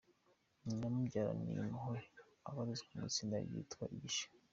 Nyina umubyara ni Impuhwe abarizwa mu itsinda ryitwa Igisha.